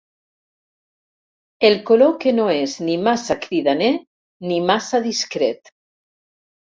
El color que no és ni massa cridaner ni massa discret.